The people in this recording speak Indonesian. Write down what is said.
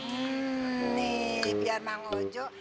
hmm nih biar emang ojo